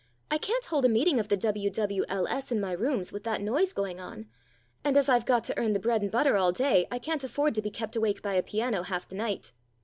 I can't hold a meeting of the W.W.L.S. in my rooms with that noise going on. And as I've got to earn the bread and butter all day I can't afford to be kept awake by a piano half the night.